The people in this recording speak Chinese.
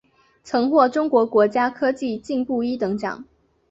曾获中国国家科技进步一等奖。